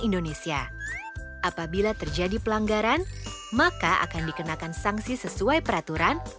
indonesia apabila terjadi pelanggaran maka akan dikenakan sanksi sesuai peraturan